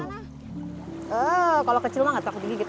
oh kalau kecil mah gak takut digigit